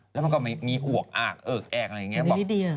แล้วมันก็ไม่มีอวกอากเอิกแอกอะไรอย่างนี้บอก